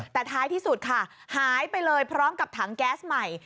แต่ท้ายที่สุดค่ะหายไปเลยพร้อมกับถังแก๊สใหม่